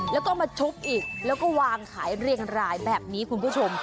แล้วก็มาชุบอีกแล้วก็วางขายเรียงรายแบบนี้คุณผู้ชม